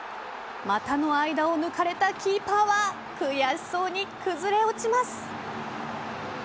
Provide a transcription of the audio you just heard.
股の間を抜かれたキーパーは悔しそうに崩れ落ちます。